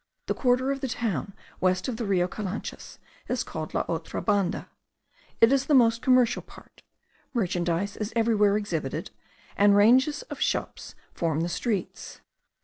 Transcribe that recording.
The quarter of the town west of the Rio Calanchas is called la otra banda; it is the most commercial part; merchandize is everywhere exhibited, and ranges of shops form the streets.